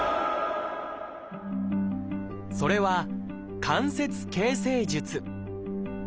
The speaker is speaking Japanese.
それは「関節形成術」。